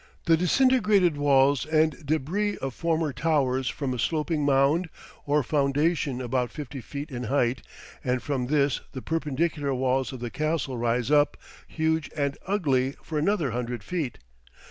The disintegrated walls and debris of former towers form a sloping mound or foundation about fifty feet in height, and from this the perpendicular walls of the castle rise up, huge and ugly, for another hundred feet.